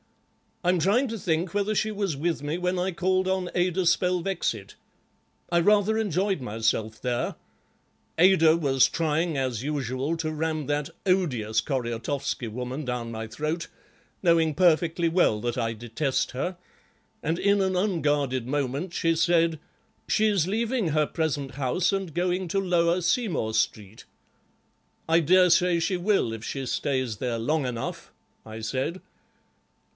"I'm trying to think whether she was with me when I called on Ada Spelvexit. I rather enjoyed myself there. Ada was trying, as usual, to ram that odious Koriatoffski woman down my throat, knowing perfectly well that I detest her, and in an unguarded moment she said: 'She's leaving her present house and going to Lower Seymour Street.' 'I dare say she will, if she stays there long enough,' I said.